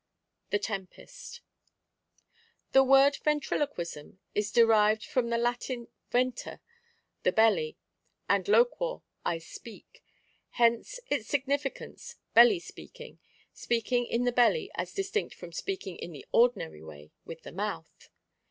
The Tempest. 'HE word Ventriloquism is derived from the Latin venter, the v% belly, and loquor, I speak. Hence its significance, belly speaking — speaking in the belly as distinct from speaking in the ordinary way with the mouth.